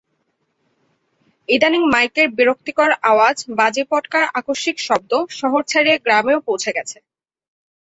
ইদানিং মাইকের বিরক্তিকর আওয়াজ, বাজি-পটকার আকস্মিক শব্দ শহর ছাড়িয়ে গ্রামেও পৌছে গেছে।